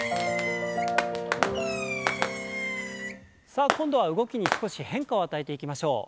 さあ今度は動きに少し変化を与えていきましょう。